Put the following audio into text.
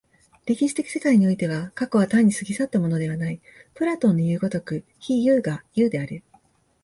歴史的世界においては、過去は単に過ぎ去ったものではない、プラトンのいう如く非有が有である。